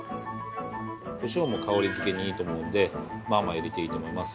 こしょうも香りづけにいいと思うんでまあまあ入れていいと思います。